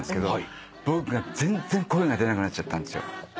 僕が全然声が出なくなっちゃったんですよ。